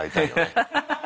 フハハハ。